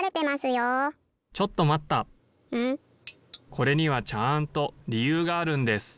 ・これにはちゃんとりゆうがあるんです。